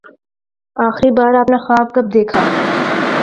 آخری بار آپ نے خواب کب دیکھا؟